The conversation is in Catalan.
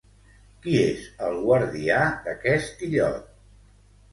Qui és el guardià d'aquest illot?